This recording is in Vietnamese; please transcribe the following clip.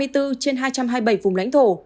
trên hai trăm hai mươi bảy vùng lãnh thổ